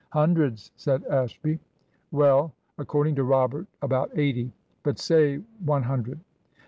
"Hundreds," said Ashby. "Well, according to Robert, about eighty. But say one hundred.